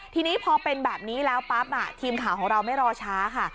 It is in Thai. ทีนี้พอเป็นแบบนี้แล้วปั๊บทีมข่าวของเราไม่รอช้าค่ะ